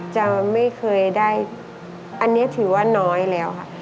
จะไม่เคยได้อันนี้ถือว่าน้อยแล้วค่ะ